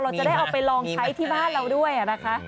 เราจะได้เอาไปลองใช้ที่บ้านเราด้วยนะคะ